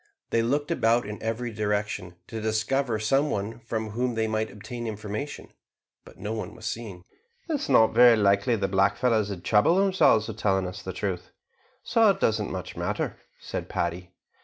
They looked about in every direction, to discover some one from whom they might obtain information, but no one was seen. "It is not very likely the black fellows would trouble themselves with telling us the truth, so it doesn't much matter," said Paddy.